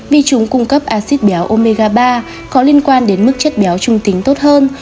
vì chúng cung cấp acid béo omega ba có liên quan đến mức chất béo trung tính tốt hơn